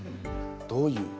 どういう。